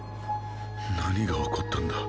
何が起こったんだ。